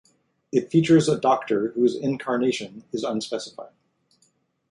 It features a Doctor whose incarnation is unspecified.